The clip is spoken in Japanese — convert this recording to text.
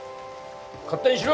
勝手にしろ！